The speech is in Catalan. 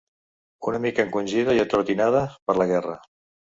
Una mica encongida i atrotinada per la guerra